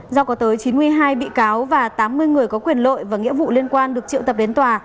do có tới chín mươi hai bị cáo và tám mươi người có quyền lợi và nghĩa vụ liên quan được triệu tập đến tòa